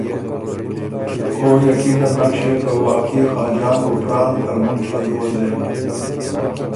او یقینه بو نک ݭیوک که واقعی خاجان بُو پران ترمُن ا دُوه زېک؟